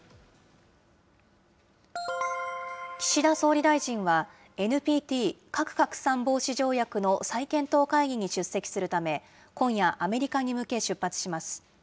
岸田総理大臣は、ＮＰＴ・核拡散防止条約の再検討会議に出席するため、今夜、アメリカに向け出発します。